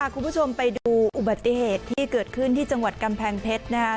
คุณผู้ชมไปดูอุบัติเหตุที่เกิดขึ้นที่จังหวัดกำแพงเพชรนะครับ